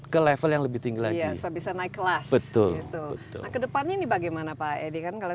ke level yang lebih tinggi lagi bisa naik kelas betul kedepannya ini bagaimana pak edi kan kalau